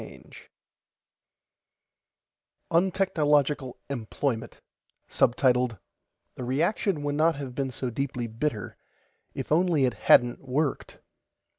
net Untechnological Employment The reaction would not have been so deeply bitter if only it hadn't worked....